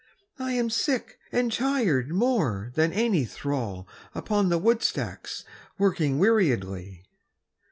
I am sick, and tired more than any thrall Upon the woodstacks working weariedly.